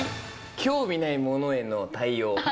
興味ないものへの対応。